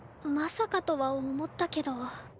まさかとは思ったけど。